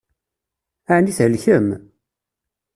Ɛni thelkem?